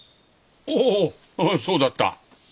おおそうだった。